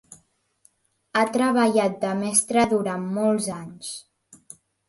Ha treballat de mestra durant molts anys.